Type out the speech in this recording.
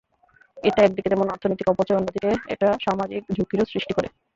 এটা একদিকে যেমন অর্থনৈতিক অপচয়, অন্যদিকে এটা সামাজিক ঝুঁকিরও সৃষ্টি করে।